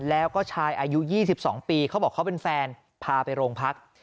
แล้วก็ชายอายุ๒๒ปีเขาบอกเขาเป็นแฟนพาไปโรงพัก